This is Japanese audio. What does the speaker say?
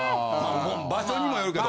場所にもよるけど。